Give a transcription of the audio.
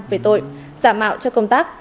về tội giả mạo cho công tác